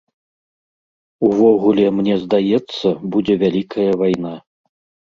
Увогуле, мне здаецца, будзе вялікая вайна.